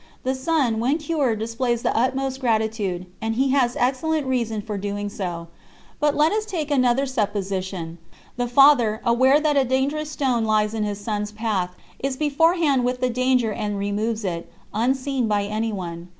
The son, when cured, displays the utmost gratitude, and he has excellent reason for doing so. But let us take another supposition. The father, aware that a dangerous stone lies in his son's path, is beforehand with the danger and removes it, unseen by anyone.